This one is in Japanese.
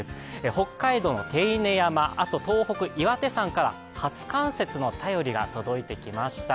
北海道の手稲山、あと東北、岩手山から初冠雪の便りが届いてきました。